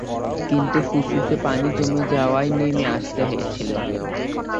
কিন্তু ফুসফুসে পানি জমে যাওয়ায় নেমে আসতে হয়েছিল।